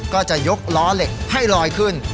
ก็จะยกล้อเหล็กให้ลอยขึ้น